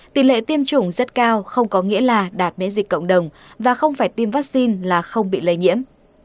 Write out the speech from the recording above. tỷ lệ tiêm chủng rất cao không có nghĩa là đạt miễn dịch cộng đồng và không phải tiêm vaccine là không bị lây nhiễm